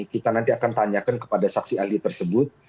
kita nanti akan tanyakan kepada saksi ahli tersebut